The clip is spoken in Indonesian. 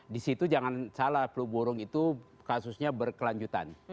di situ jangan salah flu burung itu kasusnya berkelanjutan